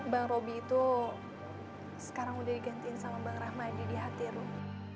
bang robi itu sekarang sudah digantiin sama bang rahmadi di hati romi